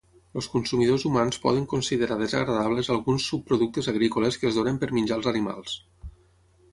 Els consumidors humans poden considerar desagradables alguns subproductes agrícoles que es donen per menjar als animals.